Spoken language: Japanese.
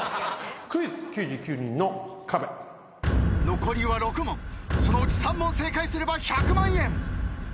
残りは６問そのうち３問正解すれば１００万円。